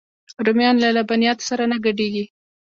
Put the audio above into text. رومیان له لبنیاتو سره نه ګډېږي